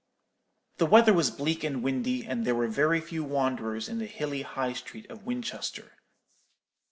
"The weather was bleak and windy, and there were very few wanderers in the hilly High Street of Winchester.